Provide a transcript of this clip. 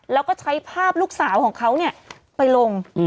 แล้วก็ใช้ภาพลูกสาวของเขาไปลง